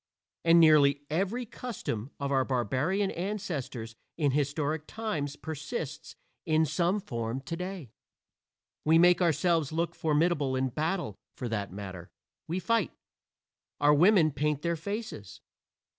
And nearly every custom of our barbarian ancestors in historic times persists in some form today. We make ourselves look formidable in battle for that matter, we fight. Our women paint their faces.